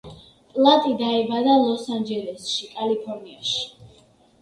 პლატი დაიბადა ლოს-ანჯელესში, კალიფორნიაში.